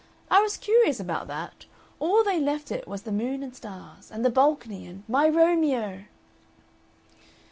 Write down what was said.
I was curious about that. All they left it was the moon and stars. And the balcony and 'My Romeo!